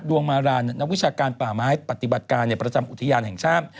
มารานนักวิชาการป่าไม้ปฏิบัติการประจำอุทยานแห่งชาติ